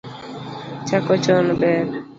Chako chon ber